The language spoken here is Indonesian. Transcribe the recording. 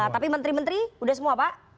tapi menteri menteri udah semua pak